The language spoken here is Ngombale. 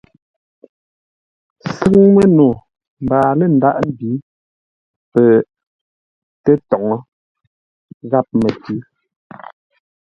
Sʉ́ŋ məno mbaa lə̂ ndághʼ mbǐ pətə́toŋə́ ghámətʉ̌.